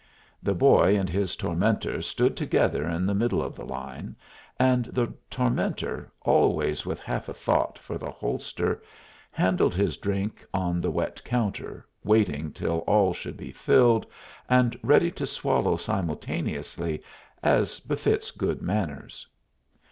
The boy and his tormentor stood together in the middle of the line, and the tormentor, always with half a thought for the holster, handled his drink on the wet counter, waiting till all should be filled and ready to swallow simultaneously, as befits good manners.